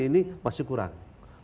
ini masih kurang